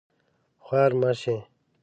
خوار مه شې